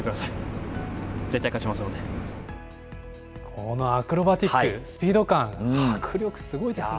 このアクロバティック、スピード感、迫力すごいですね。